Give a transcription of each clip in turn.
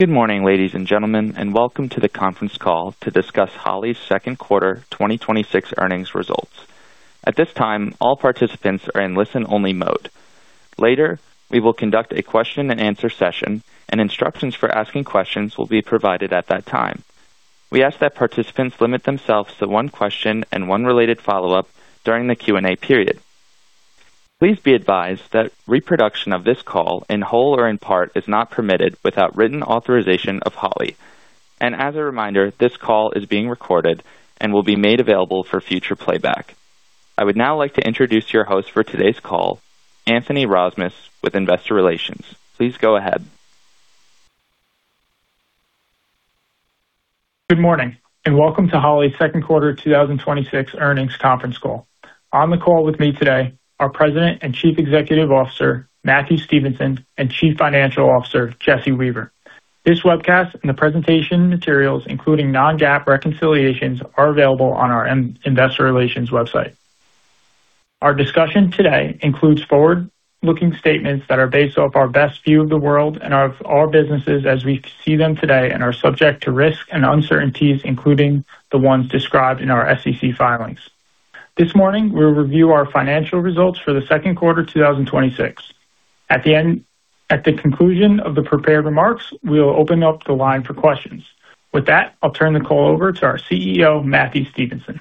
Good morning, ladies and gentlemen, welcome to the conference call to discuss Holley's second quarter 2026 earnings results. At this time, all participants are in listen-only mode. Later, we will conduct a question-and-answer session, and instructions for asking questions will be provided at that time. We ask that participants limit themselves to one question and one related follow-up during the Q&A period. Please be advised that reproduction of this call, in whole or in part, is not permitted without written authorization of Holley. As a reminder, this call is being recorded and will be made available for future playback. I would now like to introduce your host for today's call, Anthony Rozmus with Investor Relations. Please go ahead. Good morning, welcome to Holley's second quarter 2026 earnings conference call. On the call with me today are President and Chief Executive Officer, Matthew Stevenson, and Chief Financial Officer, Jesse Weaver. This webcast and the presentation materials, including non-GAAP reconciliations, are available on our investor relations website. Our discussion today includes forward-looking statements that are based off our best view of the world and of our businesses as we see them today and are subject to risks and uncertainties, including the ones described in our SEC filings. This morning, we'll review our financial results for the second quarter 2026. At the conclusion of the prepared remarks, we'll open up the line for questions. With that, I'll turn the call over to our CEO, Matthew Stevenson.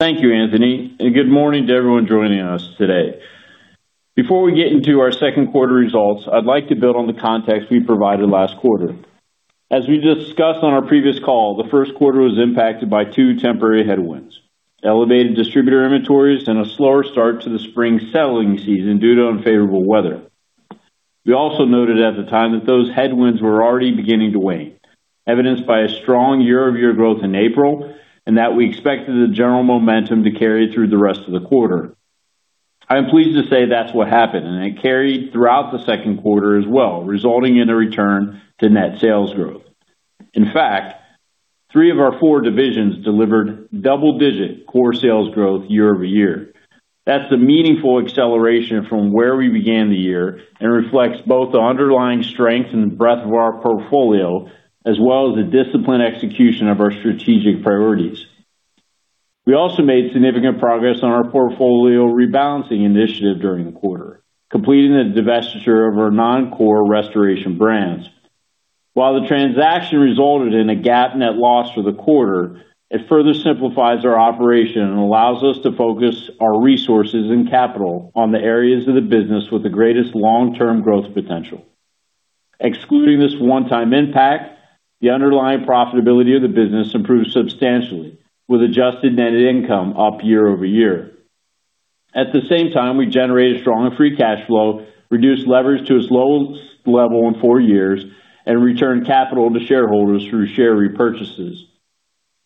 Thank you, Anthony, good morning to everyone joining us today. Before we get into our second quarter results, I'd like to build on the context we provided last quarter. As we discussed on our previous call, the first quarter was impacted by two temporary headwinds: elevated distributor inventories and a slower start to the spring selling season due to unfavorable weather. We also noted at the time that those headwinds were already beginning to wane, evidenced by a strong year-over-year growth in April, and that we expected the general momentum to carry through the rest of the quarter. I am pleased to say that's what happened, and it carried throughout the second quarter as well, resulting in a return to net sales growth. In fact, three of our four divisions delivered double-digit core sales growth year-over-year. That's the meaningful acceleration from where we began the year and reflects both the underlying strength and the breadth of our portfolio, as well as the disciplined execution of our strategic priorities. We also made significant progress on our portfolio rebalancing initiative during the quarter, completing the divestiture of our non-core Restoration brands. While the transaction resulted in a GAAP net loss for the quarter, it further simplifies our operation and allows us to focus our resources and capital on the areas of the business with the greatest long-term growth potential. Excluding this one-time impact, the underlying profitability of the business improved substantially with adjusted net income up year-over-year. At the same time, we generated strong free cash flow, reduced leverage to its lowest level in four years, and returned capital to shareholders through share repurchases.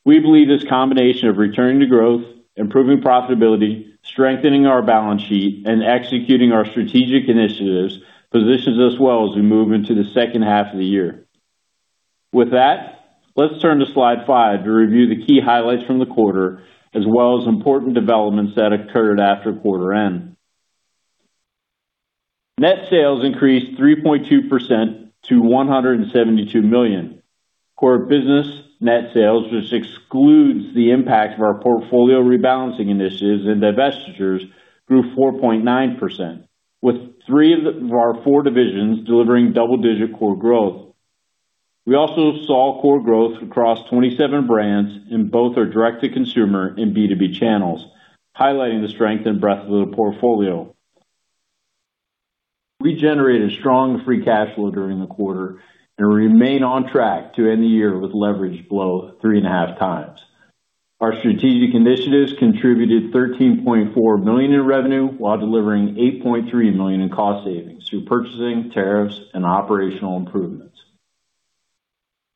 We believe this combination of returning to growth, improving profitability, strengthening our balance sheet, and executing our strategic initiatives positions us well as we move into the second half of the year. With that, let's turn to slide five to review the key highlights from the quarter, as well as important developments that occurred after quarter end. Net sales increased 3.2% to $172 million. Core business net sales, which excludes the impact of our portfolio rebalancing initiatives and divestitures, grew 4.9%, with three of our four divisions delivering double-digit core growth. We also saw core growth across 27 brands in both our direct-to-consumer and B2B channels, highlighting the strength and breadth of the portfolio. We generated strong free cash flow during the quarter and remain on track to end the year with leverage below 3.5x. Our strategic initiatives contributed $13.4 million in revenue while delivering $8.3 million in cost savings through purchasing, tariffs, and operational improvements.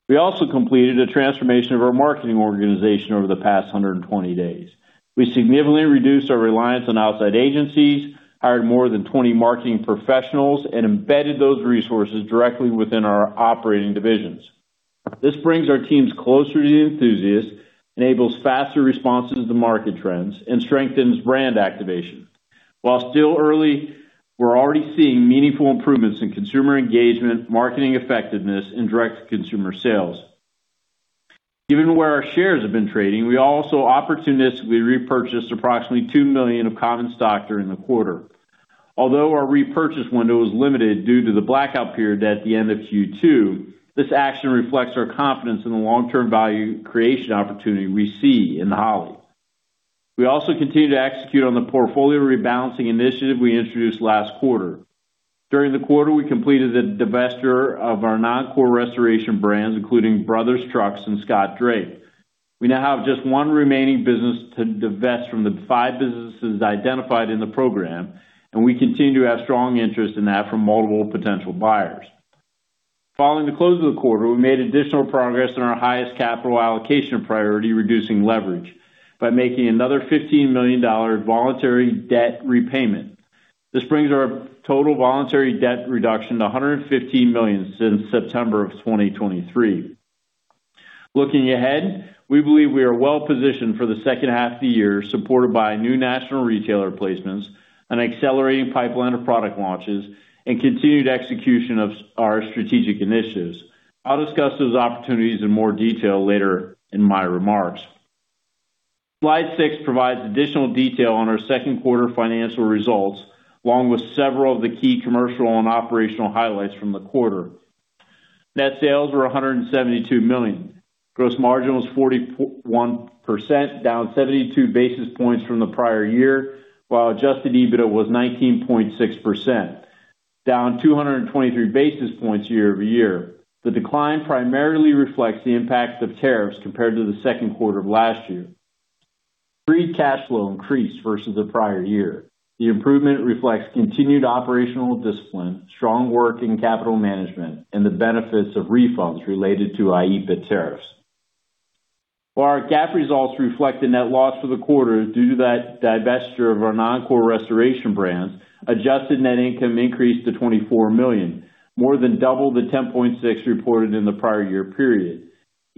We also completed a transformation of our marketing organization over the past 120 days. We significantly reduced our reliance on outside agencies, hired more than 20 marketing professionals, and embedded those resources directly within our operating divisions. This brings our teams closer to the enthusiasts, enables faster responses to market trends, and strengthens brand activation. While still early, we're already seeing meaningful improvements in consumer engagement, marketing effectiveness, and direct-to-consumer sales. Given where our shares have been trading, we also opportunistically repurchased approximately $2 million of common stock during the quarter. Although our repurchase window was limited due to the blackout period at the end of Q2, this action reflects our confidence in the long-term value creation opportunity we see in Holley. We also continue to execute on the portfolio rebalancing initiative we introduced last quarter. During the quarter, we completed the divestiture of our non-core Restoration brands, including Brothers Trucks and Scott Drake. We now have just one remaining business to divest from the five businesses identified in the program, and we continue to have strong interest in that from multiple potential buyers. Following the close of the quarter, we made additional progress in our highest capital allocation priority, reducing leverage, by making another $15 million voluntary debt repayment. This brings our total voluntary debt reduction to $115 million since September of 2023. Looking ahead, we believe we are well-positioned for the second half of the year, supported by new national retailer placements, an accelerating pipeline of product launches, and continued execution of our strategic initiatives. I'll discuss those opportunities in more detail later in my remarks. Slide six provides additional detail on our second quarter financial results, along with several of the key commercial and operational highlights from the quarter. Net sales were $172 million. Gross margin was 41%, down 72 basis points from the prior year, while adjusted EBITDA was 19.6%, down 223 basis points year-over-year. The decline primarily reflects the impacts of tariffs compared to the second quarter of last year. Free cash flow increased versus the prior year. The improvement reflects continued operational discipline, strong working capital management, and the benefits of refunds related to IEEPA tariffs. While our GAAP results reflect a net loss for the quarter due to that divestiture of our non-core Restoration brands, adjusted net income increased to $24 million, more than double the $10.6 million reported in the prior year period.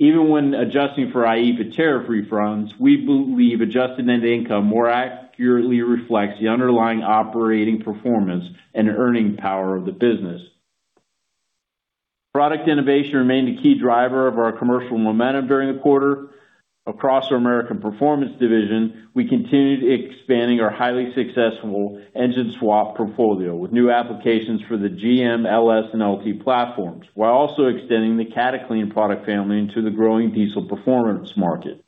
Even when adjusting for IEEPA tariff refunds, we believe adjusted net income more accurately reflects the underlying operating performance and earning power of the business. Product innovation remained a key driver of our commercial momentum during the quarter. Across our American Performance division, we continued expanding our highly successful engine swap portfolio with new applications for the GM LS and LT platforms, while also extending the Cataclean product family into the growing diesel performance market.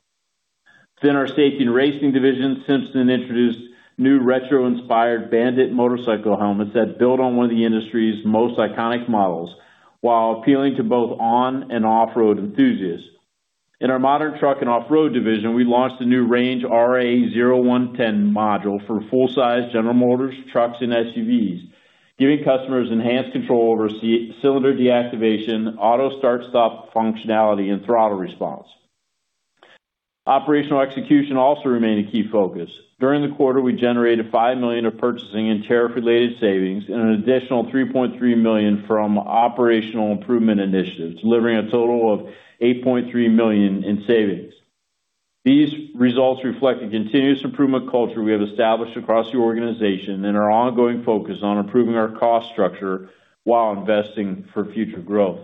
Our Safety & Racing division, Simpson, introduced new retro-inspired Bandit motorcycle helmets that build on one of the industry's most iconic models, while appealing to both on and off-road enthusiasts. In our Modern Truck & Off-Road division, we launched a new Range RA0110 module for full-size General Motors trucks and SUVs, giving customers enhanced control over cylinder deactivation, auto start/stop functionality, and throttle response. Operational execution also remained a key focus. During the quarter, we generated $5 million of purchasing and tariff related savings and an additional $3.3 million from operational improvement initiatives, delivering a total of $8.3 million in savings. These results reflect a continuous improvement culture we have established across the organization and our ongoing focus on improving our cost structure while investing for future growth.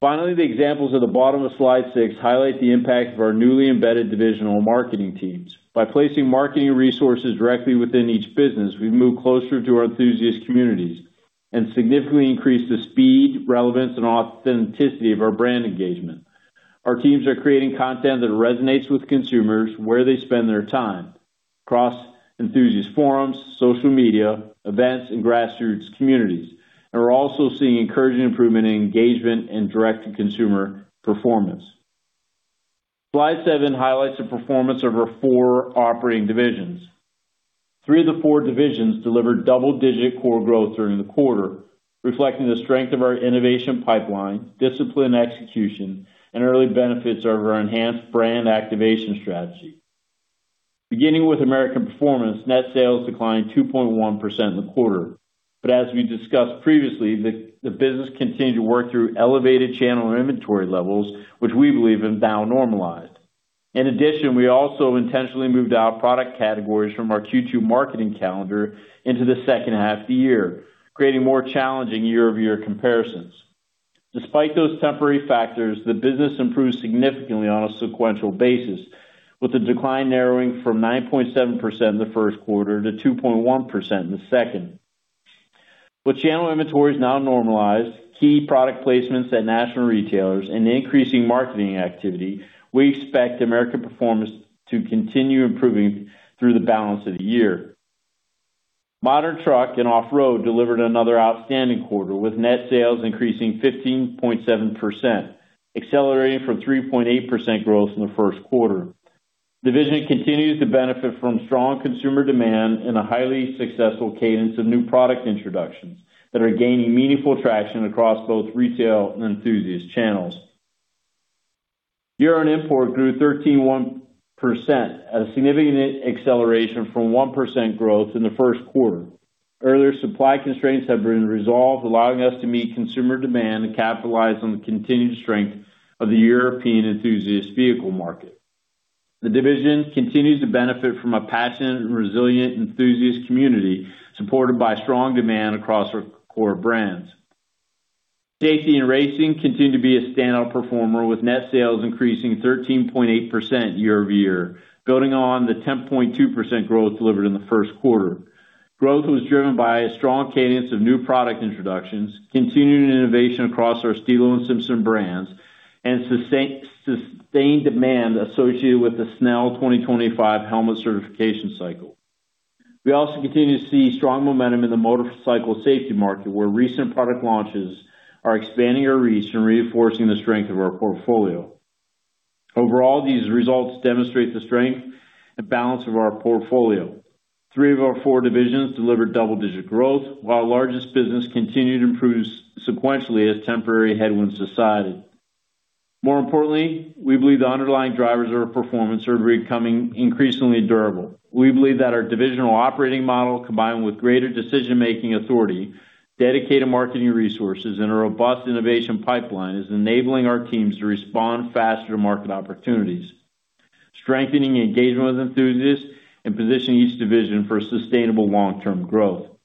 Finally, the examples at the bottom of slide six highlight the impact of our newly embedded divisional marketing teams. By placing marketing resources directly within each business, we've moved closer to our enthusiast communities and significantly increased the speed, relevance, and authenticity of our brand engagement. Our teams are creating content that resonates with consumers where they spend their time, across enthusiast forums, social media, events, and grassroots communities. We're also seeing encouraging improvement in engagement and direct-to-consumer performance. Slide seven highlights the performance of our four operating divisions. Three of the four divisions delivered double-digit core growth during the quarter, reflecting the strength of our innovation pipeline, disciplined execution, and early benefits of our enhanced brand activation strategy. Beginning with American Performance, net sales declined 2.1% in the quarter. As we discussed previously, the business continued to work through elevated channel inventory levels, which we believe have now normalized. In addition, we also intentionally moved our product categories from our Q2 marketing calendar into the second half of the year, creating more challenging year-over-year comparisons. Despite those temporary factors, the business improved significantly on a sequential basis, with the decline narrowing from 9.7% in the first quarter to 2.1% in the second. With channel inventories now normalized, key product placements at national retailers, and increasing marketing activity, we expect American Performance to continue improving through the balance of the year. Modern Truck & Off-Road delivered another outstanding quarter, with net sales increasing 15.7%, accelerating from 3.8% growth in the first quarter. The division continues to benefit from strong consumer demand and a highly successful cadence of new product introductions that are gaining meaningful traction across both retail and enthusiast channels. Euro & Import grew 13.1%, a significant acceleration from 1% growth in the first quarter. Earlier supply constraints have been resolved, allowing us to meet consumer demand and capitalize on the continued strength of the European enthusiast vehicle market. The division continues to benefit from a passionate and resilient enthusiast community, supported by strong demand across our core brands. Safety & Racing continued to be a standout performer, with net sales increasing 13.8% year-over-year, building on the 10.2% growth delivered in the first quarter. Growth was driven by a strong cadence of new product introductions, continued innovation across our Stilo and Simpson brands, and sustained demand associated with the Snell SA2025 helmet certification cycle. We also continue to see strong momentum in the motorcycle safety market, where recent product launches are expanding our reach and reinforcing the strength of our portfolio. Overall, these results demonstrate the strength and balance of our portfolio. Three of our four divisions delivered double-digit growth, while our largest business continued to improve sequentially as temporary headwinds subsided. More importantly, we believe the underlying drivers of our performance are becoming increasingly durable. We believe that our divisional operating model, combined with greater decision-making authority, dedicated marketing resources, and a robust innovation pipeline, is enabling our teams to respond faster to market opportunities. Strengthening engagement with enthusiasts and positioning each division for sustainable long-term growth.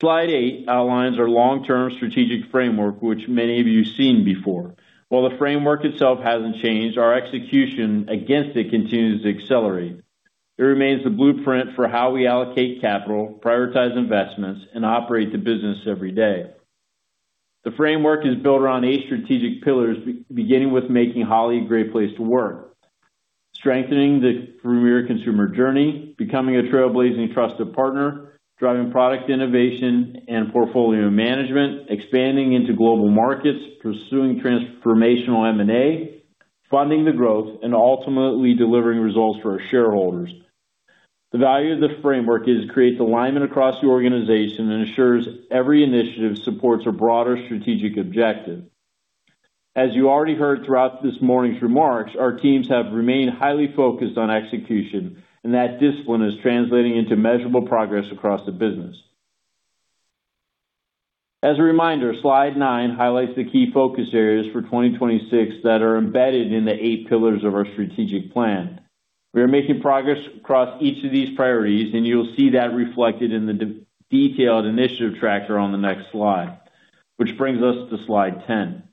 Slide eight outlines our long-term strategic framework, which many of you've seen before. While the framework itself hasn't changed, our execution against it continues to accelerate. It remains the blueprint for how we allocate capital, prioritize investments, and operate the business every day. The framework is built around eight strategic pillars, beginning with making Holley a great place to work, strengthening the Premier Consumer Journey, becoming a Trailblazing Trusted Partner, driving product innovation and portfolio management, expanding into global markets, pursuing transformational M&A, funding the growth, and ultimately delivering results for our shareholders. The value of this framework is it creates alignment across the organization and ensures every initiative supports a broader strategic objective. As you already heard throughout this morning's remarks, our teams have remained highly focused on execution, and that discipline is translating into measurable progress across the business. As a reminder, slide nine highlights the key focus areas for 2026 that are embedded in the eight pillars of our strategic plan. We are making progress across each of these priorities, and you'll see that reflected in the detailed initiative tracker on the next slide, which brings us to slide 10.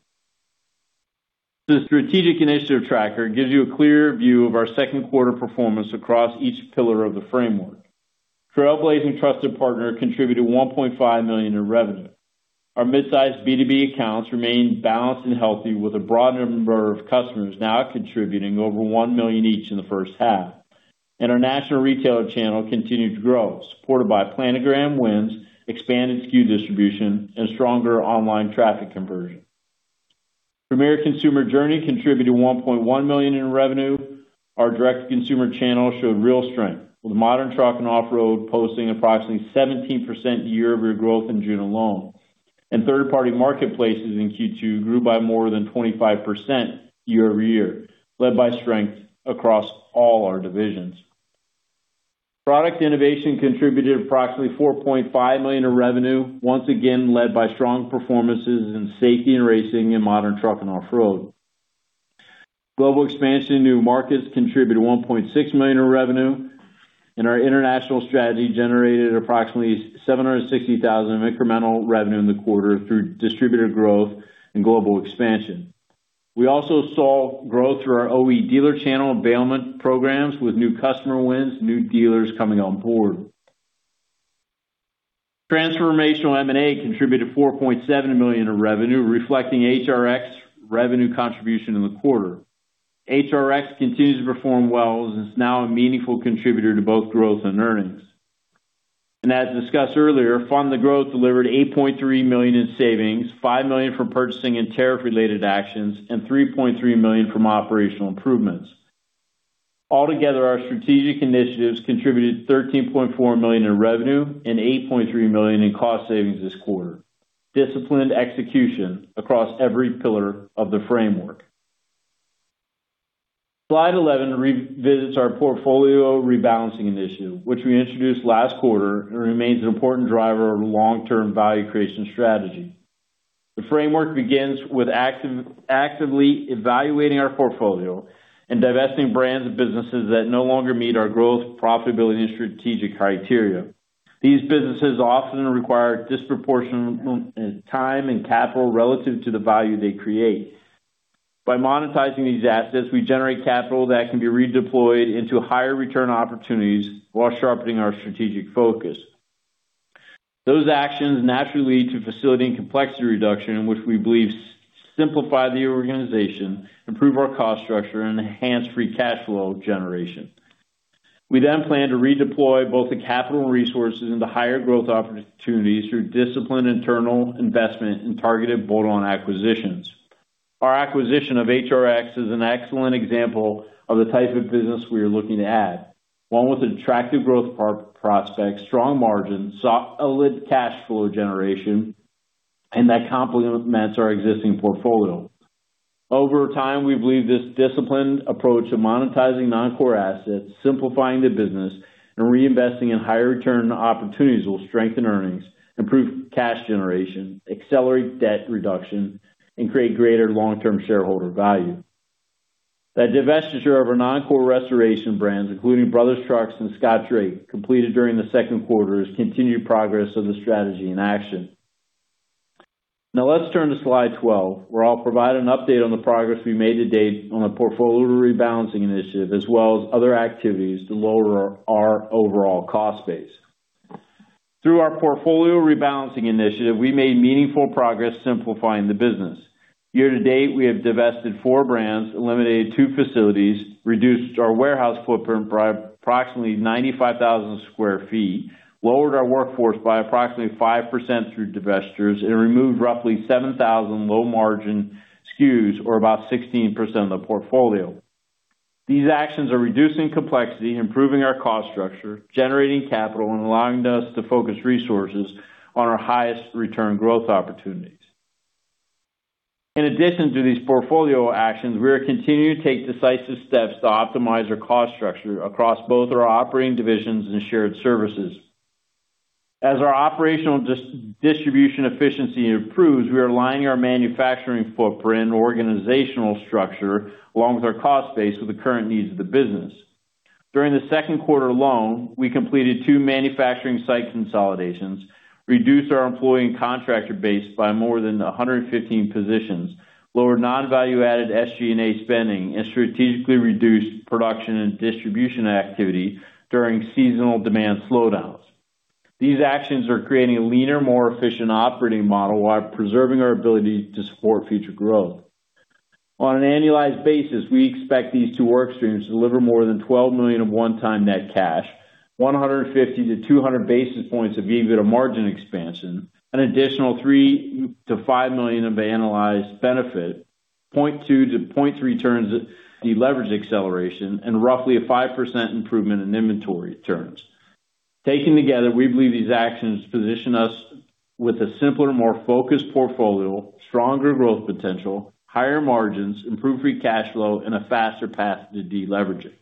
The strategic initiative tracker gives you a clear view of our second quarter performance across each pillar of the framework. Trailblazing Trusted Partner contributed $1.5 million in revenue. Our mid-sized B2B accounts remained balanced and healthy with a broad number of customers now contributing over $1 million each in the first half. Our national retailer channel continued to grow, supported by planogram wins, expanded SKU distribution, and stronger online traffic conversion. Premier Consumer Journey contributed $1.1 million in revenue. Our direct-to-consumer channel showed real strength, with Modern Truck & Off-Road posting approximately 17% year-over-year growth in June alone. Third-party marketplaces in Q2 grew by more than 25% year-over-year, led by strength across all our divisions. Product innovation contributed approximately $4.5 million in revenue, once again led by strong performances in Safety & Racing in Modern Truck & Off-Road. Global expansion into new markets contributed $1.6 million in revenue, and our international strategy generated approximately $760,000 of incremental revenue in the quarter through distributor growth and global expansion. We also saw growth through our OE dealer channel availment programs with new customer wins, new dealers coming on board. Transformational M&A contributed $4.7 million of revenue, reflecting HRX revenue contribution in the quarter. HRX continues to perform well and is now a meaningful contributor to both growth and earnings. As discussed earlier, fund the growth delivered $8.3 million in savings, $5 million from purchasing and tariff-related actions, and $3.3 million from operational improvements. Altogether, our strategic initiatives contributed $13.4 million in revenue and $8.3 million in cost savings this quarter. Disciplined execution across every pillar of the framework. Slide 11 revisits our portfolio rebalancing initiative, which we introduced last quarter and remains an important driver of long-term value creation strategy. The framework begins with actively evaluating our portfolio and divesting brands and businesses that no longer meet our growth, profitability, and strategic criteria. These businesses often require disproportionate time and capital relative to the value they create. By monetizing these assets, we generate capital that can be redeployed into higher return opportunities while sharpening our strategic focus. Those actions naturally lead to facility and complexity reduction, which we believe simplify the organization, improve our cost structure, and enhance free cash flow generation. We plan to redeploy both the capital resources and the higher growth opportunities through disciplined internal investment and targeted bolt-on acquisitions. Our acquisition of HRX is an excellent example of the type of business we are looking to add. One with attractive growth prospects, strong margins, solid cash flow generation, and that complements our existing portfolio. Over time, we believe this disciplined approach of monetizing non-core assets, simplifying the business, and reinvesting in higher return opportunities will strengthen earnings, improve cash generation, accelerate debt reduction, and create greater long-term shareholder value. The divestiture of our non-core restoration brands, including Brothers Trucks and Scott Drake, completed during the second quarter as continued progress of the strategy in action. Let's turn to slide 12, where I'll provide an update on the progress we made to-date on the portfolio rebalancing initiative, as well as other activities to lower our overall cost base. Through our portfolio rebalancing initiative, we made meaningful progress simplifying the business. Year-to-date, we have divested four brands, eliminated two facilities, reduced our warehouse footprint by approximately 95,000 sq ft, lowered our workforce by approximately 5% through divestitures, and removed roughly 7,000 low margin SKUs or about 16% of the portfolio. These actions are reducing complexity, improving our cost structure, generating capital, and allowing us to focus resources on our highest return growth opportunities. In addition to these portfolio actions, we are continuing to take decisive steps to optimize our cost structure across both our operating divisions and shared services. As our operational distribution efficiency improves, we are aligning our manufacturing footprint organizational structure along with our cost base with the current needs of the business. During the second quarter alone, we completed two manufacturing site consolidations, reduced our employee and contractor base by more than 115 positions, lowered non-value added SGA spending, and strategically reduced production and distribution activity during seasonal demand slowdowns. These actions are creating a leaner, more efficient operating model while preserving our ability to support future growth. On an annualized basis, we expect these two work streams to deliver more than $12 million of one-time net cash, 150 to 200 basis points of EBITDA margin expansion, an additional $3 million-$5 million of annualized benefit, 0.2-0.3 turns deleverage acceleration, and roughly a 5% improvement in inventory turns. Taken together, we believe these actions position us with a simpler, more focused portfolio, stronger growth potential, higher margins, improved free cash flow, and a faster path to deleveraging.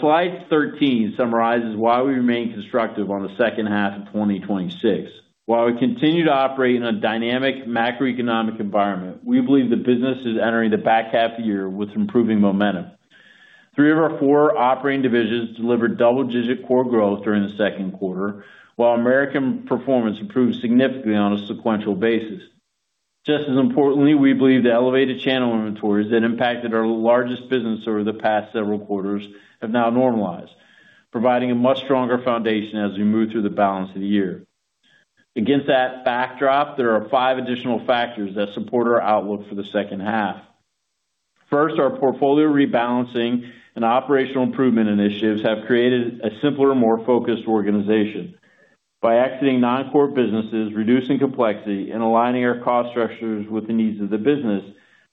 Slide 13 summarizes why we remain constructive on the second half of 2026. While we continue to operate in a dynamic macroeconomic environment, we believe the business is entering the back half of the year with improving momentum. Three of our four operating divisions delivered double-digit core growth during the second quarter, while American Performance improved significantly on a sequential basis. Just as importantly, we believe the elevated channel inventories that impacted our largest business over the past several quarters have now normalized, providing a much stronger foundation as we move through the balance of the year. Against that backdrop, there are five additional factors that support our outlook for the second half. First, our portfolio rebalancing and operational improvement initiatives have created a simpler, more focused organization. By exiting non-core businesses, reducing complexity, and aligning our cost structures with the needs of the business,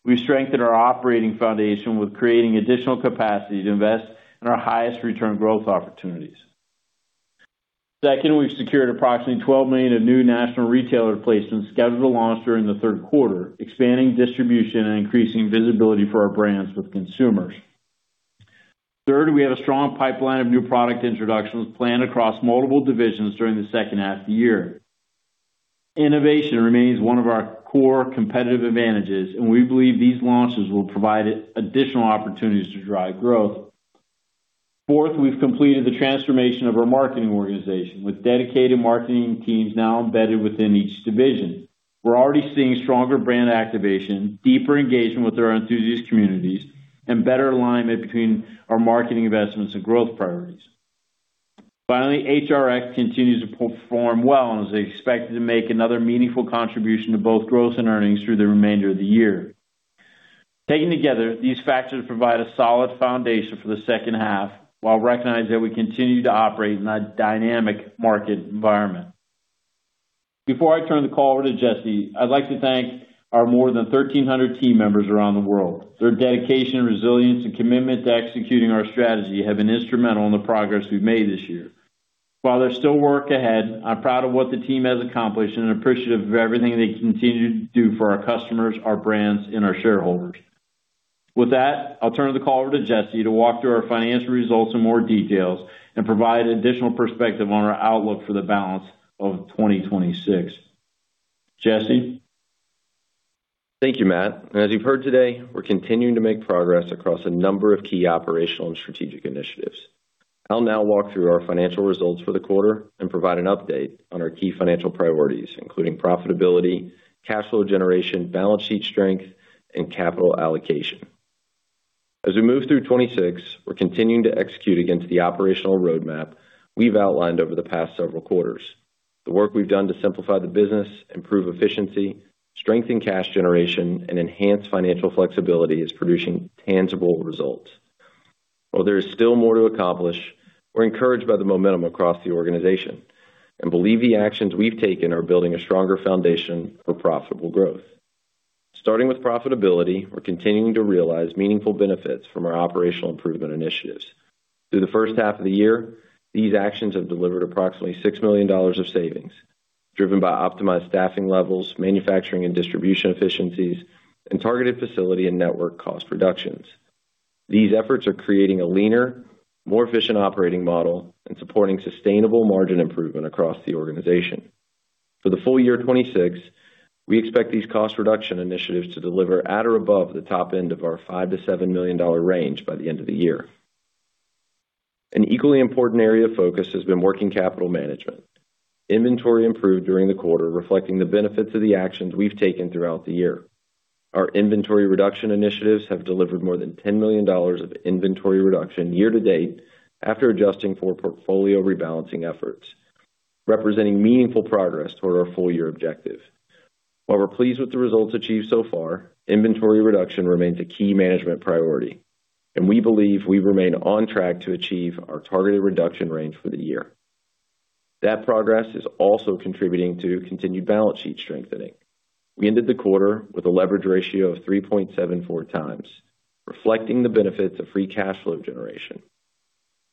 we strengthened our operating foundation with creating additional capacity to invest in our highest return growth opportunities. Second, we've secured approximately $12 million of new national retailer placements scheduled to launch during the third quarter, expanding distribution and increasing visibility for our brands with consumers. Third, we have a strong pipeline of new product introductions planned across multiple divisions during the second half of the year. Innovation remains one of our core competitive advantages. We believe these launches will provide additional opportunities to drive growth. Fourth, we've completed the transformation of our marketing organization, with dedicated marketing teams now embedded within each division. We're already seeing stronger brand activation, deeper engagement with our enthusiast communities, and better alignment between our marketing investments and growth priorities. Finally, HRX continues to perform well and is expected to make another meaningful contribution to both growth and earnings through the remainder of the year. Taken together, these factors provide a solid foundation for the second half, while recognizing that we continue to operate in a dynamic market environment. Before I turn the call over to Jesse, I'd like to thank our more than 1,300 team members around the world. Their dedication, resilience, and commitment to executing our strategy have been instrumental in the progress we've made this year. While there's still work ahead, I'm proud of what the team has accomplished and appreciative of everything they continue to do for our customers, our brands, and our shareholders. With that, I'll turn the call over to Jesse to walk through our financial results in more details and provide additional perspective on our outlook for the balance of 2026. Jesse? Thank you, Matt. As you've heard today, we're continuing to make progress across a number of key operational and strategic initiatives. I'll now walk through our financial results for the quarter and provide an update on our key financial priorities, including profitability, cash flow generation, balance sheet strength, and capital allocation. As we move through 2026, we're continuing to execute against the operational roadmap we've outlined over the past several quarters. The work we've done to simplify the business, improve efficiency, strengthen cash generation, and enhance financial flexibility is producing tangible results. While there is still more to accomplish, we're encouraged by the momentum across the organization and believe the actions we've taken are building a stronger foundation for profitable growth. Starting with profitability, we're continuing to realize meaningful benefits from our operational improvement initiatives. Through the first half of the year, these actions have delivered approximately $6 million of savings driven by optimized staffing levels, manufacturing and distribution efficiencies, and targeted facility and network cost reductions. These efforts are creating a leaner, more efficient operating model and supporting sustainable margin improvement across the organization. For the full year 2026, we expect these cost reduction initiatives to deliver at or above the top end of our $5 million-$7 million range by the end of the year. An equally important area of focus has been working capital management. Inventory improved during the quarter, reflecting the benefits of the actions we've taken throughout the year. Our inventory reduction initiatives have delivered more than $10 million of inventory reduction year-to-date after adjusting for portfolio rebalancing efforts, representing meaningful progress toward our full year objective. While we're pleased with the results achieved so far, inventory reduction remains a key management priority, and we believe we remain on track to achieve our targeted reduction range for the year. That progress is also contributing to continued balance sheet strengthening. We ended the quarter with a leverage ratio of 3.74x, reflecting the benefits of free cash flow generation,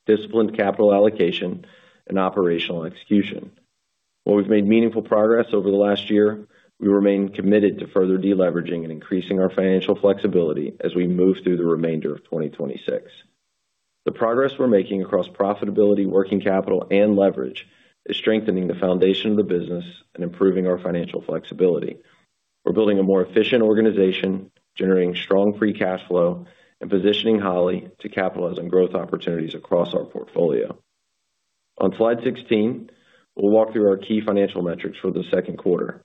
disciplined capital allocation, and operational execution. While we've made meaningful progress over the last year, we remain committed to further deleveraging and increasing our financial flexibility as we move through the remainder of 2026. The progress we're making across profitability, working capital, and leverage is strengthening the foundation of the business and improving our financial flexibility. We're building a more efficient organization, generating strong free cash flow, and positioning Holley to capitalize on growth opportunities across our portfolio. On slide 16, we'll walk through our key financial metrics for the second quarter.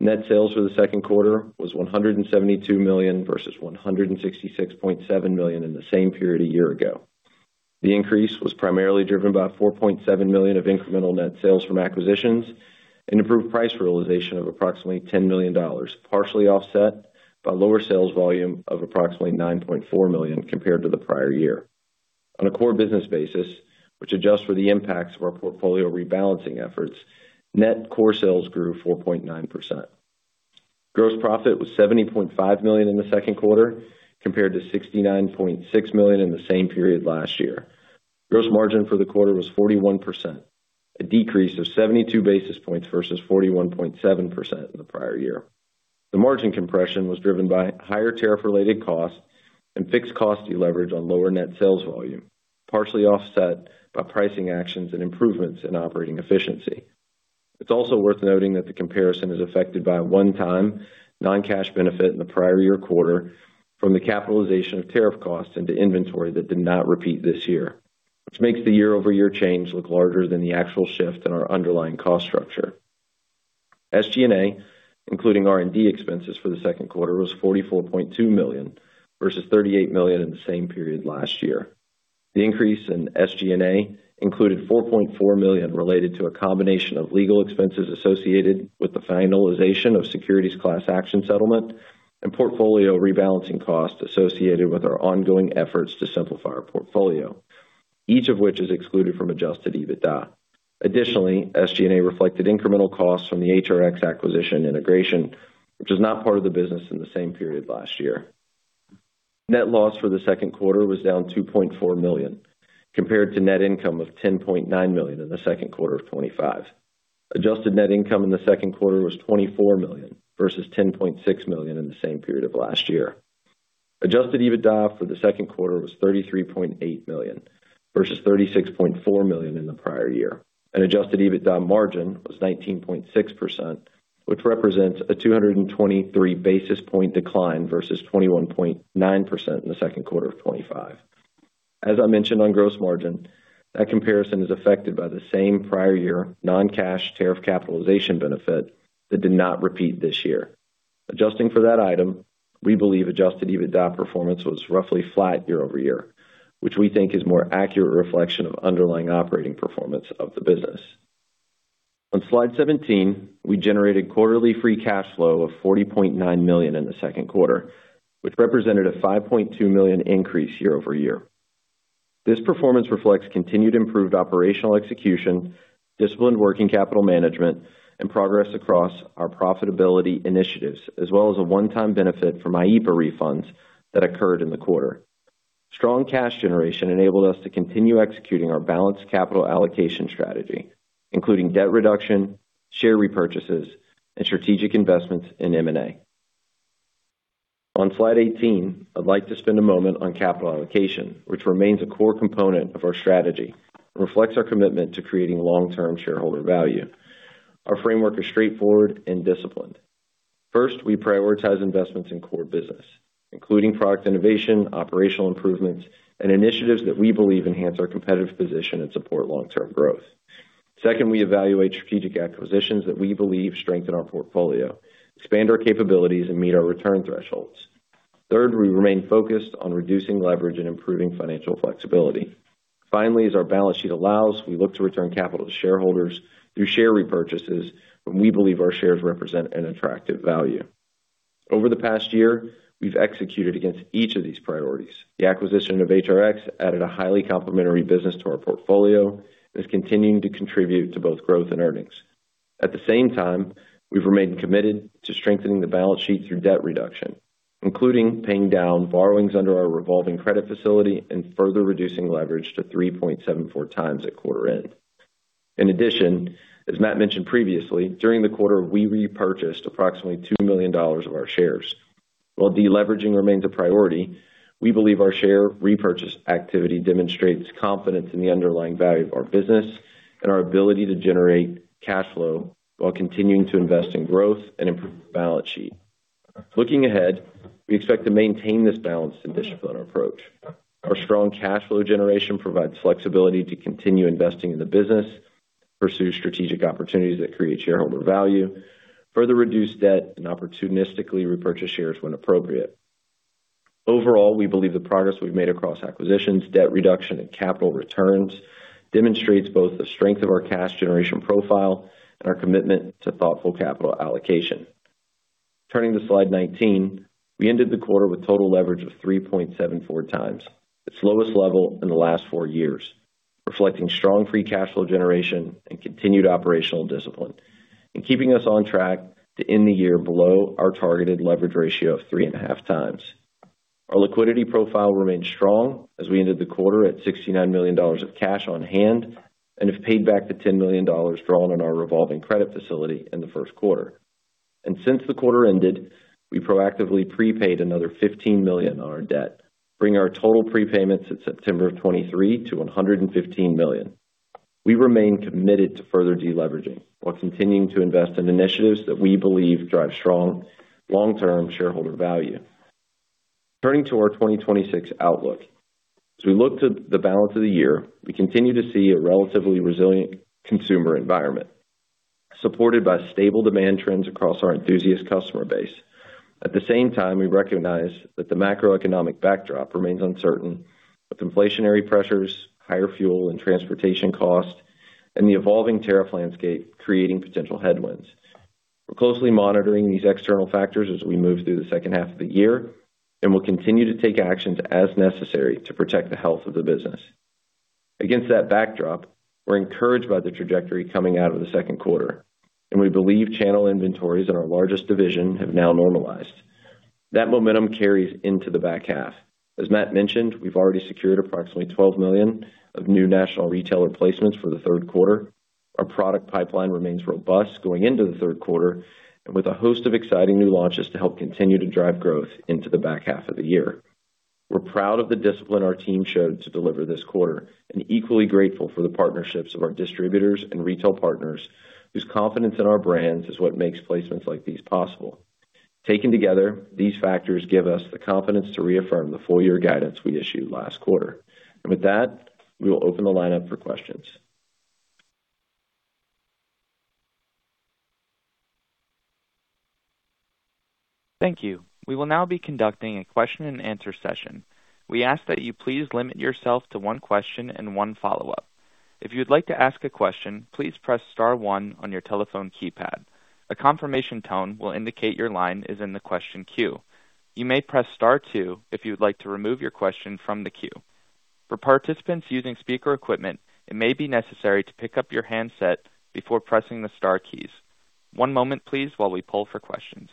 Net sales for the second quarter was $172 million, versus $166.7 million in the same period a year ago. The increase was primarily driven by $4.7 million of incremental net sales from acquisitions and improved price realization of approximately $10 million, partially offset by lower sales volume of approximately $9.4 million compared to the prior year. On a core business basis, which adjusts for the impacts of our portfolio rebalancing efforts, net core sales grew 4.9%. Gross profit was $70.5 million in the second quarter compared to $69.6 million in the same period last year. Gross margin for the quarter was 41%, a decrease of 72 basis points versus 41.7% in the prior year. The margin compression was driven by higher tariff-related costs and fixed cost deleverage on lower net sales volume, partially offset by pricing actions and improvements in operating efficiency. It's also worth noting that the comparison is affected by a one-time non-cash benefit in the prior year quarter from the capitalization of tariff costs into inventory that did not repeat this year, which makes the year-over-year change look larger than the actual shift in our underlying cost structure. SG&A, including R&D expenses for the second quarter, was $44.2 million, versus $38 million in the same period last year. The increase in SG&A included $4.4 million related to a combination of legal expenses associated with the finalization of securities class action settlement and portfolio rebalancing costs associated with our ongoing efforts to simplify our portfolio, each of which is excluded from adjusted EBITDA. Additionally, SG&A reflected incremental costs from the HRX acquisition integration, which was not part of the business in the same period last year. Net loss for the second quarter was down $2.4 million, compared to net income of $10.9 million in the second quarter of 2025. Adjusted net income in the second quarter was $24 million, versus $10.6 million in the same period of last year. Adjusted EBITDA for the second quarter was $33.8 million, versus $36.4 million in the prior year. Adjusted EBITDA margin was 19.6%, which represents a 223 basis point decline versus 21.9% in the second quarter of 2025. As I mentioned on gross margin, that comparison is affected by the same prior year non-cash tariff capitalization benefit that did not repeat this year. Adjusting for that item, we believe adjusted EBITDA performance was roughly flat year-over-year, which we think is a more accurate reflection of underlying operating performance of the business. On slide 17, we generated quarterly free cash flow of $40.9 million in the second quarter, which represented a $5.2 million increase year-over-year. This performance reflects continued improved operational execution, disciplined working capital management, and progress across our profitability initiatives, as well as a one-time benefit from IEEPA refunds that occurred in the quarter. Strong cash generation enabled us to continue executing our balanced capital allocation strategy, including debt reduction, share repurchases, and strategic investments in M&A. On slide 18, I'd like to spend a moment on capital allocation, which remains a core component of our strategy and reflects our commitment to creating long-term shareholder value. Our framework is straightforward and disciplined. First, we prioritize investments in core business, including product innovation, operational improvements, and initiatives that we believe enhance our competitive position and support long-term growth. Second, we evaluate strategic acquisitions that we believe strengthen our portfolio, expand our capabilities, and meet our return thresholds. Third, we remain focused on reducing leverage and improving financial flexibility. Finally, as our balance sheet allows, we look to return capital to shareholders through share repurchases when we believe our shares represent an attractive value. Over the past year, we've executed against each of these priorities. The acquisition of HRX added a highly complementary business to our portfolio and is continuing to contribute to both growth and earnings. At the same time, we've remained committed to strengthening the balance sheet through debt reduction, including paying down borrowings under our revolving credit facility and further reducing leverage to 3.74x at quarter end. In addition, as Matt mentioned previously, during the quarter, we repurchased approximately $2 million of our shares. While deleveraging remains a priority, we believe our share repurchase activity demonstrates confidence in the underlying value of our business and our ability to generate cash flow while continuing to invest in growth and improve the balance sheet. Looking ahead, we expect to maintain this balanced and disciplined approach. Our strong cash flow generation provides flexibility to continue investing in the business, pursue strategic opportunities that create shareholder value, further reduce debt, and opportunistically repurchase shares when appropriate. Overall, we believe the progress we've made across acquisitions, debt reduction, and capital returns demonstrates both the strength of our cash generation profile and our commitment to thoughtful capital allocation. Turning to slide 19. We ended the quarter with total leverage of 3.74x, its lowest level in the last four years, reflecting strong free cash flow generation and continued operational discipline, keeping us on track to end the year below our targeted leverage ratio of 3.5x. Our liquidity profile remains strong as we ended the quarter at $69 million of cash on hand and have paid back the $10 million drawn on our revolving credit facility in the first quarter. Since the quarter ended, we proactively prepaid another $15 million on our debt, bringing our total prepayments at September of 2023 to $115 million. We remain committed to further deleveraging while continuing to invest in initiatives that we believe drive strong long-term shareholder value. Turning to our 2026 outlook. As we look to the balance of the year, we continue to see a relatively resilient consumer environment, supported by stable demand trends across our enthusiast customer base. At the same time, we recognize that the macroeconomic backdrop remains uncertain, with inflationary pressures, higher fuel and transportation costs, and the evolving tariff landscape creating potential headwinds. We're closely monitoring these external factors as we move through the second half of the year, we'll continue to take actions as necessary to protect the health of the business. Against that backdrop, we're encouraged by the trajectory coming out of the second quarter, we believe channel inventories in our largest division have now normalized. That momentum carries into the back half. As Matt mentioned, we've already secured approximately $12 million of new national retailer placements for the third quarter. Our product pipeline remains robust going into the third quarter, with a host of exciting new launches to help continue to drive growth into the back half of the year. We're proud of the discipline our team showed to deliver this quarter, equally grateful for the partnerships of our distributors and retail partners, whose confidence in our brands is what makes placements like these possible. Taken together, these factors give us the confidence to reaffirm the full year guidance we issued last quarter. With that, we will open the line up for questions. Thank you. We will now be conducting a question and answer session. We ask that you please limit yourself to one question and one follow-up. If you'd like to ask a question, please press star one on your telephone keypad. A confirmation tone will indicate your line is in the question queue. You may press star two if you'd like to remove your question from the queue. For participants using speaker equipment, it may be necessary to pick up your handset before pressing the star keys. One moment please, while we poll for questions.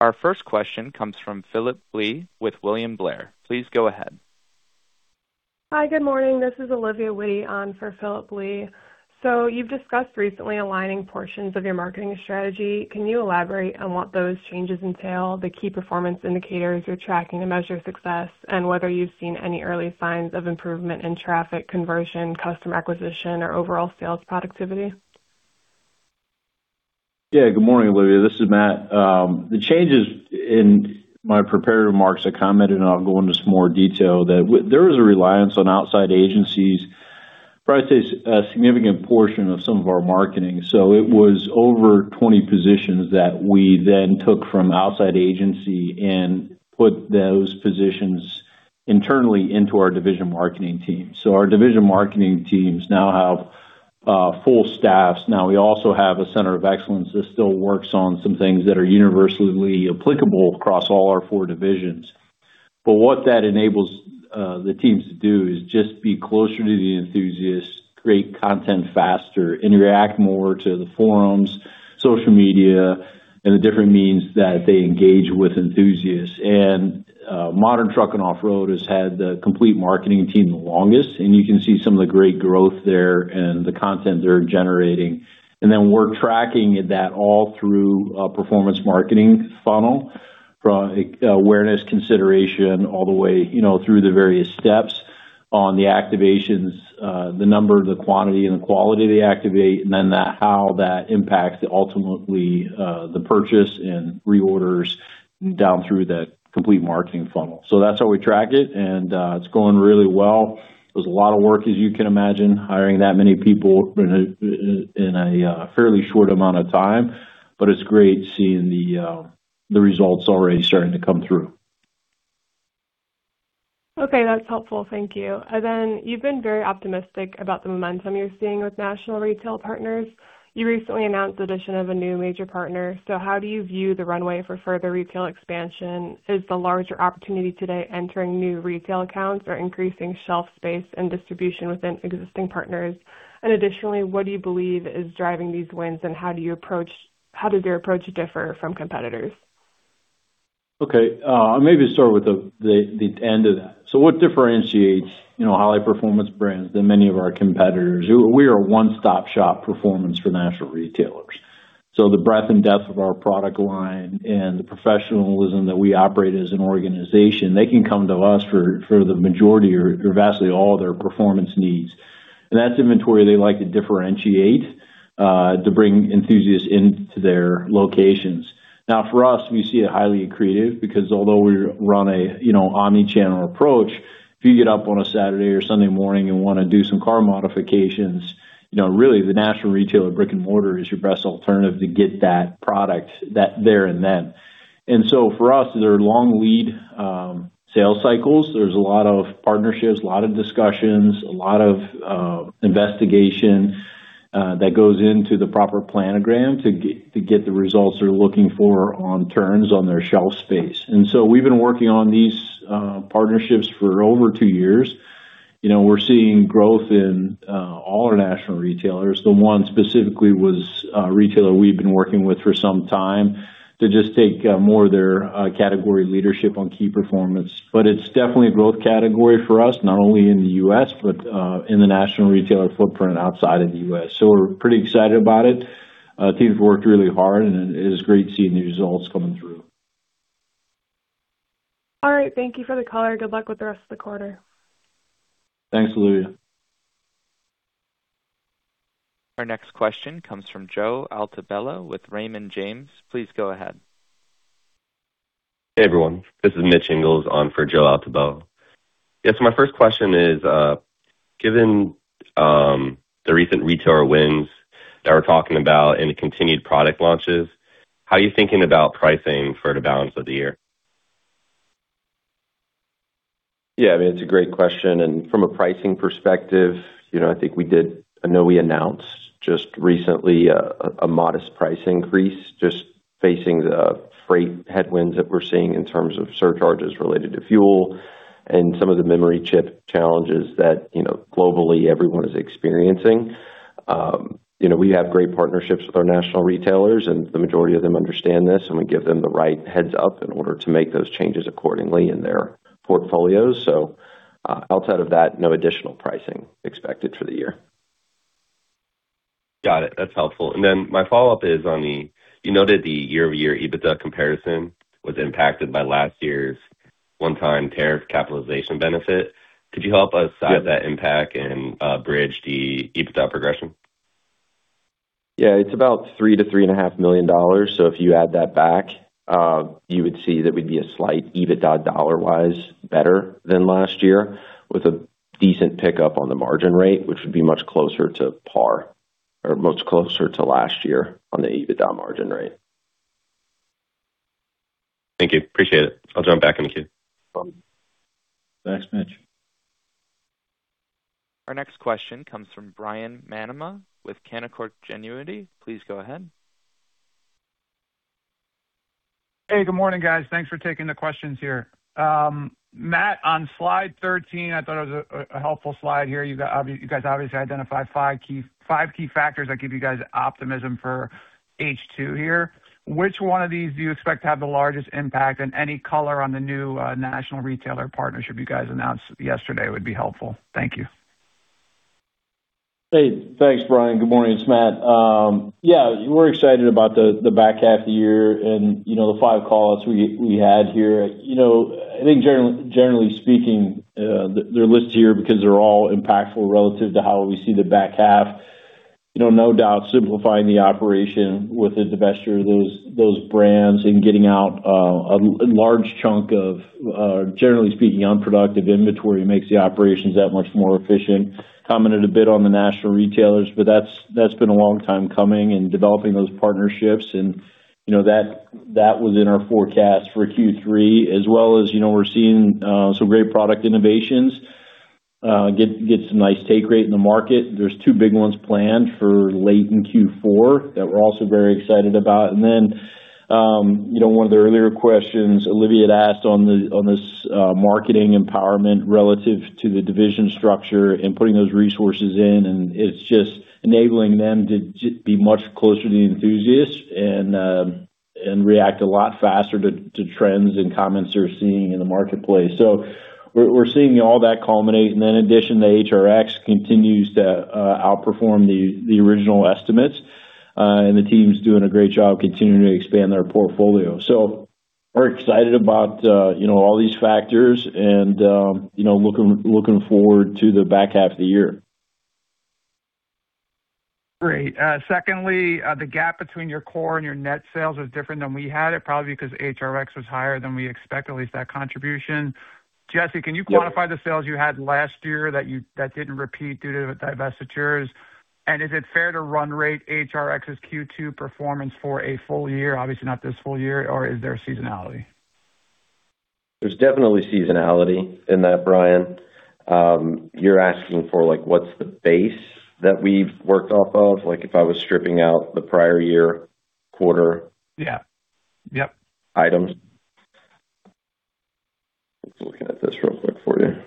Our first question comes from Phillip Blee with William Blair. Please go ahead. Hi. Good morning. This is Olivia Xu on for Phillip Blee. You've discussed recently aligning portions of your marketing strategy. Can you elaborate on what those changes entail, the key performance indicators you're tracking to measure success, and whether you've seen any early signs of improvement in traffic conversion, customer acquisition, or overall sales productivity? Yeah. Good morning, Olivia. This is Matt. The changes in my prepared remarks, I commented, and I'll go into some more detail, that there is a reliance on outside agencies, but I'd say a significant portion of some of our marketing. It was over 20 positions that we then took from outside agency and put those positions internally into our division marketing team. Our division marketing teams now have full staffs. We also have a center of excellence that still works on some things that are universally applicable across all our four divisions. What that enables the teams to do is just be closer to the enthusiasts, create content faster, interact more to the forums, social media, and the different means that they engage with enthusiasts. Modern Truck & Off-Road has had the complete marketing team the longest, you can see some of the great growth there and the content they're generating. We're tracking that all through a performance marketing funnel from awareness consideration, all the way through the various steps on the activations, the number, the quantity, and the quality they activate, then how that impacts ultimately, the purchase and reorders down through the complete marketing funnel. That's how we track it's going really well. It was a lot of work, as you can imagine, hiring that many people in a fairly short amount of time, it's great seeing the results already starting to come through. Okay. That's helpful. Thank you. You've been very optimistic about the momentum you're seeing with national retail partners. You recently announced the addition of a new major partner. How do you view the runway for further retail expansion? Is the larger opportunity today entering new retail accounts or increasing shelf space and distribution within existing partners? Additionally, what do you believe is driving these wins, and how does your approach differ from competitors? Okay. I'll maybe start with the end of that. What differentiates Holley Performance Brands than many of our competitors, we are a one-stop-shop performance for national retailers. The breadth and depth of our product line and the professionalism that we operate as an organization, they can come to us for the majority or vastly all their performance needs. That's inventory they like to differentiate, to bring enthusiasts into their locations. Now, for us, we see it highly accretive because although we run an omni-channel approach, if you get up on a Saturday or Sunday morning and want to do some car modifications, really the national retailer brick and mortar is your best alternative to get that product there and then. For us, they're long lead sales cycles. There's a lot of partnerships, a lot of discussions, a lot of investigation that goes into the proper planogram to get the results they're looking for on turns on their shelf space. We've been working on these partnerships for over two years. We're seeing growth in all our national retailers. The one specifically was a retailer we've been working with for some time to just take more of their category leadership on key performance. It's definitely a growth category for us, not only in the U.S., but in the national retailer footprint outside of the U.S. We're pretty excited about it. The team's worked really hard, and it is great seeing the results coming through. All right. Thank you for the color. Good luck with the rest of the quarter. Thanks, Olivia. Our next question comes from Joseph Altobello with Raymond James. Please go ahead. Hey, everyone. This is Mitch Ingles on for Joseph Altobello. Yeah. My first question is given the recent retailer wins that we're talking about and the continued product launches, how are you thinking about pricing for the balance of the year? Yeah, it's a great question. From a pricing perspective, I know we announced just recently a modest price increase just facing the freight headwinds that we're seeing in terms of surcharges related to fuel and some of the memory chip challenges that globally everyone is experiencing. We have great partnerships with our national retailers, and the majority of them understand this, and we give them the right heads-up in order to make those changes accordingly in their portfolios. Outside of that, no additional pricing expected for the year. Got it. That's helpful. My follow-up is on the. You noted the year-over-year EBITDA comparison was impacted by last year's one-time tariff capitalization benefit. Could you help us size that impact and bridge the EBITDA progression? Yeah. It's about $3 million-$3.5 million. If you add that back, you would see that we'd be a slight EBITDA dollar-wise better than last year with a decent pickup on the margin rate, which would be much closer to par or much closer to last year on the EBITDA margin rate. Thank you. Appreciate it. I'll jump back in the queue. Thanks, Mitch. Our next question comes from Brian McNamara with Canaccord Genuity. Please go ahead. Hey, good morning, guys. Thanks for taking the questions here. Matt, on slide 13, I thought it was a helpful slide here. You guys obviously identified five key factors that give you guys optimism for H2 here. Which one of these do you expect to have the largest impact? Any color on the new national retailer partnership you guys announced yesterday would be helpful. Thank you. Hey, thanks, Brian. Good morning. It's Matt. Yeah, we're excited about the back half of the year and the five calls we had here. I think generally speaking, they're listed here because they're all impactful relative to how we see the back half. No doubt simplifying the operation with the divesture of those brands and getting out a large chunk of, generally speaking, unproductive inventory makes the operations that much more efficient. Commented a bit on the national retailers, but that's been a long time coming and developing those partnerships. That was in our forecast for Q3 as well as we're seeing some great product innovations get some nice take rate in the market. There's two big ones planned for late in Q4 that we're also very excited about. One of the earlier questions Olivia had asked on this marketing empowerment relative to the division structure and putting those resources in, it's just enabling them to be much closer to the enthusiasts and react a lot faster to trends and comments they're seeing in the marketplace. We're seeing all that culminate. In addition, the HRX continues to outperform the original estimates, the team's doing a great job continuing to expand their portfolio. We're excited about all these factors and looking forward to the back half of the year. Great. Secondly, the gap between your core and your net sales was different than we had it, probably because HRX was higher than we expected, at least that contribution. Jesse, can you quantify the sales you had last year that didn't repeat due to the divestitures? Is it fair to run rate HRX's Q2 performance for a full year, obviously not this full year, or is there seasonality? There's definitely seasonality in that, Brian. You're asking for what's the base that we've worked off of, like if I was stripping out the prior year quarter- Yeah. Yep.... items? Let's look at this real quick for you.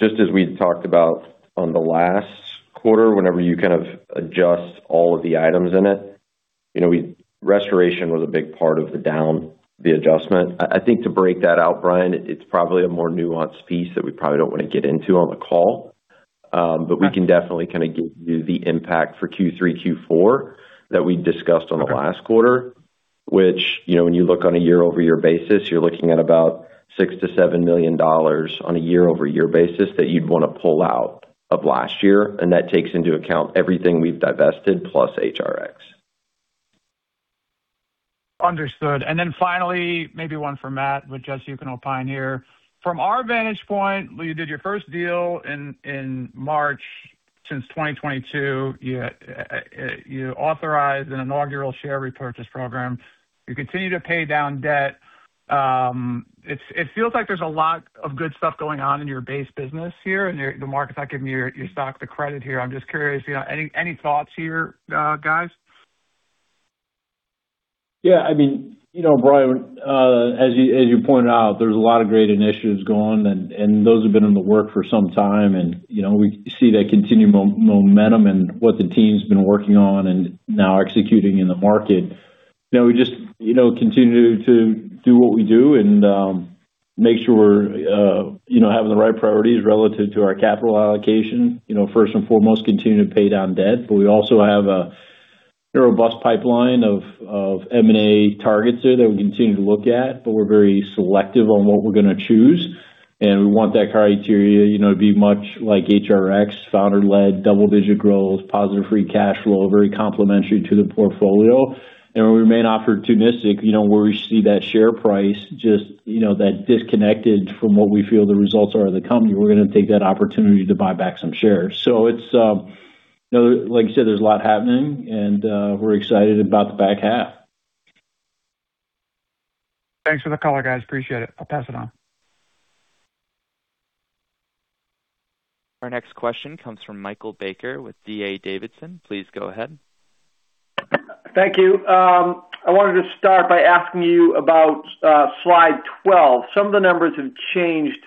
Just as we talked about on the last quarter, whenever you kind of adjust all of the items in it, restoration was a big part of the down, the adjustment. I think to break that out, Brian, it's probably a more nuanced piece that we probably don't want to get into on the call. We can definitely kind of give you the impact for Q3, Q4 that we discussed on the last quarter, which when you look on a year-over-year basis, you're looking at about $6 million-$7 million on a year-over-year basis that you'd want to pull out of last year, and that takes into account everything we've divested plus HRX. Finally, maybe one for Matt, but Jesse, you can opine here. From our vantage point, you did your first deal in March since 2022. You authorized an inaugural share repurchase program. You continue to pay down debt. It feels like there's a lot of good stuff going on in your base business here, and the market's not giving your stock the credit here. I'm just curious, any thoughts here, guys? Yeah, Brian, as you pointed out, there's a lot of great initiatives going. Those have been in the works for some time. We see that continued momentum and what the team's been working on and now executing in the market. We just continue to do what we do and make sure we're having the right priorities relative to our capital allocation. First and foremost, continue to pay down debt. We also have a robust pipeline of M&A targets there that we continue to look at, but we're very selective on what we're going to choose, and we want that criteria to be much like HRX, founder-led, double-digit growth, positive free cash flow, very complementary to the portfolio. We remain opportunistic where we see that share price just that disconnected from what we feel the results are of the company. We're going to take that opportunity to buy back some shares. Like you said, there's a lot happening. We're excited about the back half. Thanks for the call, guys. Appreciate it. I'll pass it on. Our next question comes from Michael Baker with D.A. Davidson. Please go ahead. Thank you. I wanted to start by asking you about slide 12. Some of the numbers have changed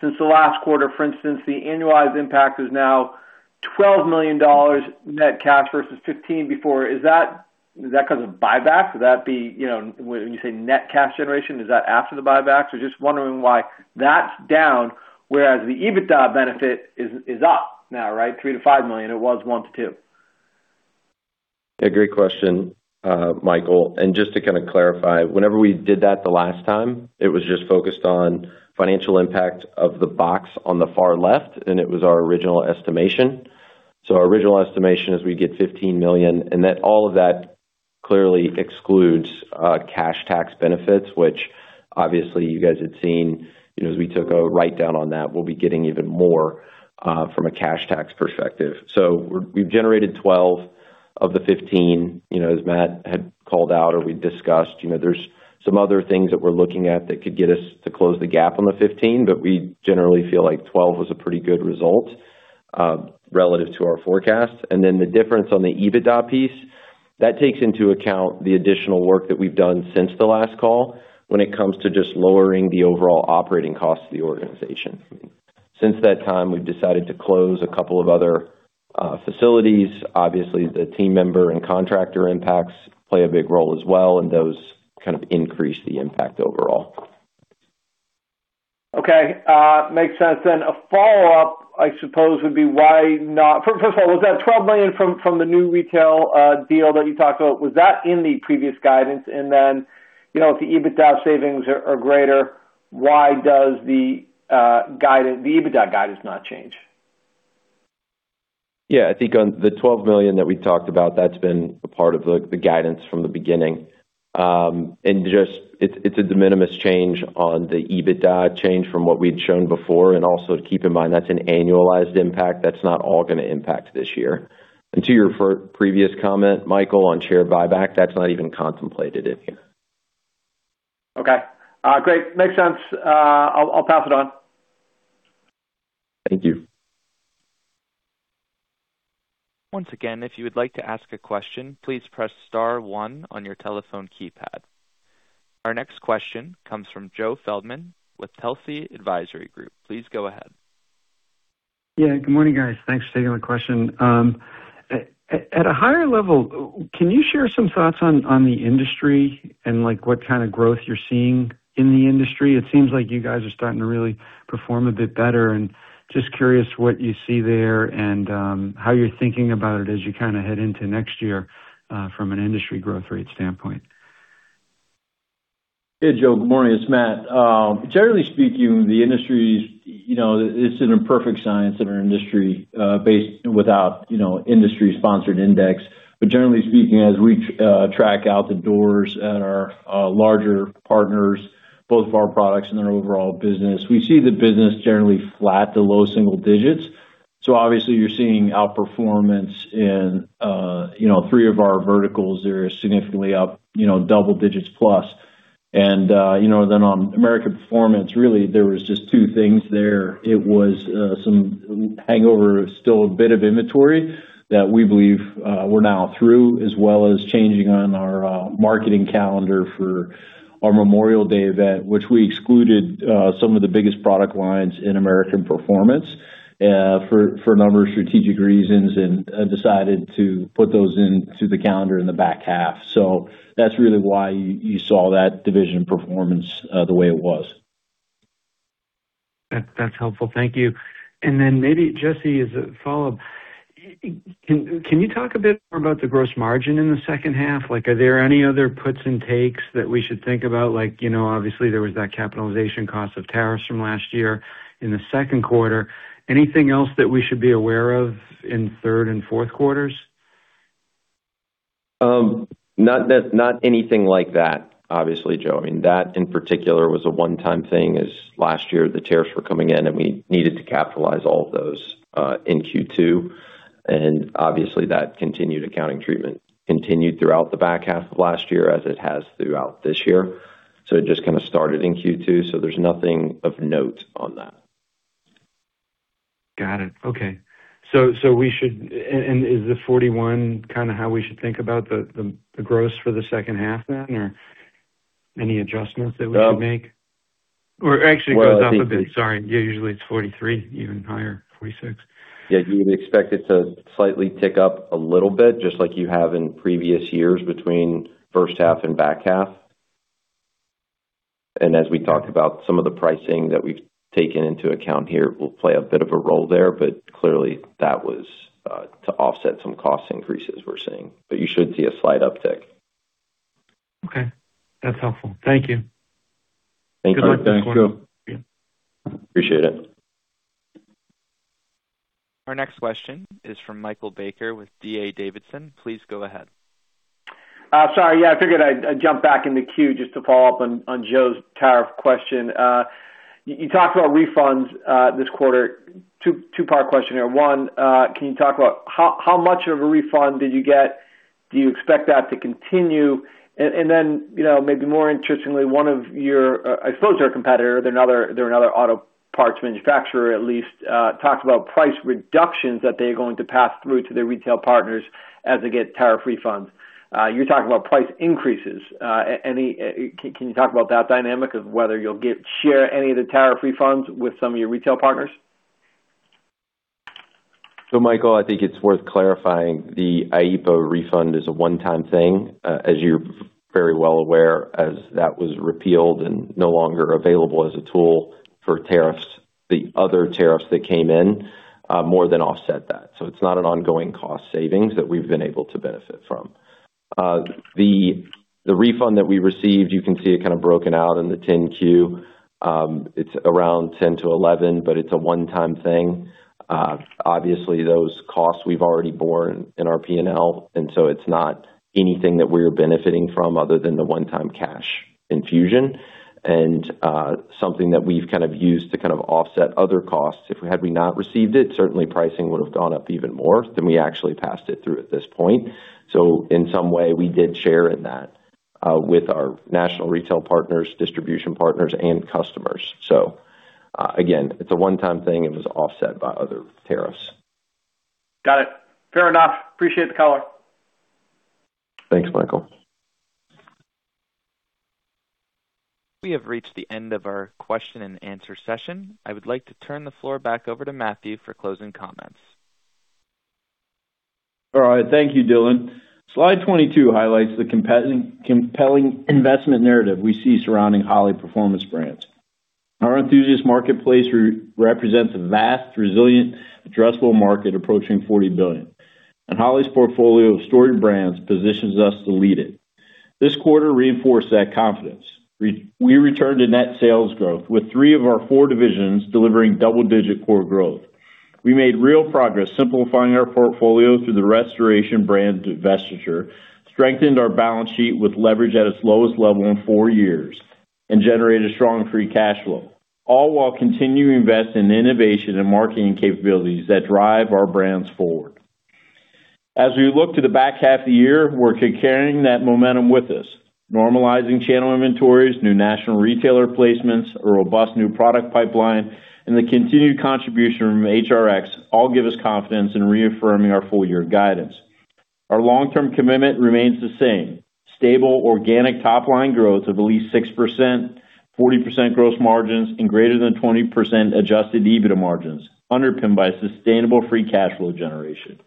since the last quarter. For instance, the annualized impact is now $12 million net cash versus $15 before. Is that because of buyback? When you say net cash generation, is that after the buybacks? I am just wondering why that is down, whereas the EBITDA benefit is up now, right? $3 million-$5 million. It was $1 million-$2 million. Yeah, great question, Michael. Just to kind of clarify, whenever we did that the last time, it was just focused on financial impact of the box on the far left, and it was our original estimation. Our original estimation is we get $15 million, and all of that clearly excludes cash tax benefits, which obviously you guys had seen as we took a write-down on that. We will be getting even more from a cash tax perspective. We have generated $12 of the $15, as Matt had called out or we had discussed. There are some other things that we are looking at that could get us to close the gap on the $15, but we generally feel like $12 was a pretty good result relative to our forecast. The difference on the EBITDA piece, that takes into account the additional work that we have done since the last call when it comes to just lowering the overall operating cost of the organization. Since that time, we have decided to close a couple of other facilities. Obviously, the team member and contractor impacts play a big role as well, and those kind of increase the impact overall. Okay. Makes sense then. A follow-up, I suppose, would be, first of all, was that $12 million from the new retail deal that you talked about? Was that in the previous guidance? If the EBITDA savings are greater, why does the EBITDA guidance not change? Yeah, I think on the $12 million that we talked about, that's been a part of the guidance from the beginning. It's a de minimis change on the EBITDA change from what we'd shown before. Also keep in mind, that's an annualized impact. That's not all going to impact this year. To your previous comment, Michael, on share buyback, that's not even contemplated in here. Okay. Great. Makes sense. I'll pass it on. Thank you. Once again, if you would like to ask a question, please press star one on your telephone keypad. Our next question comes from Joe Feldman with Telsey Advisory Group. Please go ahead. Yeah, good morning, guys. Thanks for taking my question. At a higher level, can you share some thoughts on the industry and what kind of growth you're seeing in the industry? It seems like you guys are starting to really perform a bit better. Just curious what you see there and how you're thinking about it as you kind of head into next year from an industry growth rate standpoint. Hey, Joe. Good morning. It's Matt. Generally speaking, it's an imperfect science in our industry based without industry-sponsored index. Generally speaking, as we track out the doors at our larger partners, both of our products and their overall business, we see the business generally flat to low single digits. Obviously you're seeing outperformance in three of our verticals. They're significantly up double digits plus. On American Performance, really there was just two things there. It was some hangover, still a bit of inventory that we believe we're now through, as well as changing on our marketing calendar for our Memorial Day event, which we excluded some of the biggest product lines in American Performance for a number of strategic reasons and decided to put those into the calendar in the back half. That's really why you saw that division performance the way it was. That's helpful. Thank you. Maybe, Jesse, as a follow-up, can you talk a bit more about the gross margin in the second half? Are there any other puts and takes that we should think about? Obviously, there was that capitalization cost of tariffs from last year in the second quarter. Anything else that we should be aware of in third and fourth quarters? Not anything like that, obviously, Joe. That in particular was a one-time thing, as last year the tariffs were coming in and we needed to capitalize all of those in Q2. Obviously that continued accounting treatment continued throughout the back half of last year as it has throughout this year. It just kind of started in Q2. There's nothing of note on that. Got it. Okay. Is the 41% kind of how we should think about the gross for the second half then? Any adjustments that we should make? Actually it goes up a bit. Sorry. Yeah, usually it's 43%, even higher, 46%. Yeah, you would expect it to slightly tick up a little bit, just like you have in previous years between first half and back half. As we talked about, some of the pricing that we've taken into account here will play a bit of a role there. Clearly that was to offset some cost increases we're seeing. You should see a slight uptick. Okay. That's helpful. Thank you. Thank you. Good luck this quarter. Appreciate it. Our next question is from Michael Baker with D.A. Davidson. Please go ahead. Sorry. Yeah, I figured I'd jump back in the queue just to follow up on Joe's tariff question. You talked about refunds this quarter. Two-part question here. One, can you talk about how much of a refund did you get? Do you expect that to continue? Maybe more interestingly, one of your, I suppose your competitor, they're another auto parts manufacturer at least, talked about price reductions that they're going to pass through to their retail partners as they get tariff refunds. You're talking about price increases. Can you talk about that dynamic of whether you'll share any of the tariff refunds with some of your retail partners? Michael, I think it's worth clarifying, the IEEPA refund is a one-time thing. As you're very well aware, as that was repealed and no longer available as a tool for tariffs, the other tariffs that came in more than offset that. It's not an ongoing cost savings that we've been able to benefit from. The refund that we received, you can see it kind of broken out in the 10-Q. It's around $10-$11 million, but it's a one-time thing. Obviously, those costs we've already borne in our P&L, and it's not anything that we're benefiting from other than the one-time cash infusion and something that we've kind of used to kind of offset other costs. Had we not received it, certainly pricing would've gone up even more than we actually passed it through at this point. In some way, we did share in that with our national retail partners, distribution partners, and customers. Again, it's a one-time thing. It was offset by other tariffs. Got it. Fair enough. Appreciate the color. Thanks, Michael. We have reached the end of our question and answer session. I would like to turn the floor back over to Matthew for closing comments. All right. Thank you, Dylan. Slide 22 highlights the compelling investment narrative we see surrounding Holley Performance Brands. Our enthusiast marketplace represents a vast, resilient, addressable market approaching $40 billion, and Holley's portfolio of storied brands positions us to lead it. This quarter reinforced that confidence. We returned to net sales growth, with three of our four divisions delivering double-digit core growth. We made real progress simplifying our portfolio through the Restoration brand divestiture, strengthened our balance sheet with leverage at its lowest level in four years, and generated strong free cash flow, all while continuing to invest in innovation and marketing capabilities that drive our brands forward. As we look to the back half of the year, we're carrying that momentum with us. Normalizing channel inventories, new national retailer placements, a robust new product pipeline, and the continued contribution from HRX all give us confidence in reaffirming our full year guidance. Our long-term commitment remains the same, stable organic top-line growth of at least 6%, 40% gross margins, and greater than 20% adjusted EBITDA margins, underpinned by sustainable free cash flow generation.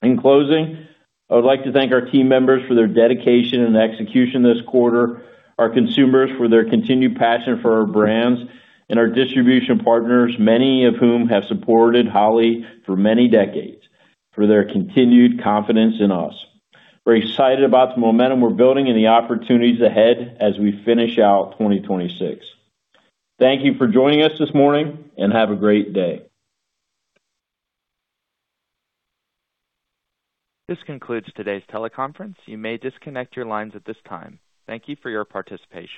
In closing, I would like to thank our team members for their dedication and execution this quarter, our consumers for their continued passion for our brands, and our distribution partners, many of whom have supported Holley for many decades, for their continued confidence in us. We're excited about the momentum we're building and the opportunities ahead as we finish out 2026. Thank you for joining us this morning, and have a great day. This concludes today's teleconference. You may disconnect your lines at this time. Thank you for your participation